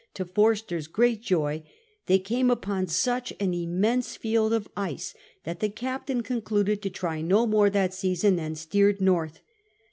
to Forster*s great joy they came upon such an immense fiolil of ice that the captain concluded to try no more that season and steered north.